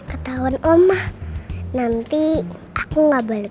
catherine kok gak ada kabar ya